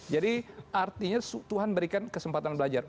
jadi artinya tuhan berikan kesempatan belajar